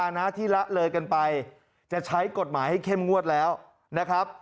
นะที่ละเลยกันไปจะใช้กฎหมายให้เข้มงวดแล้วนะครับ